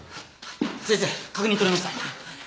先生確認取れました。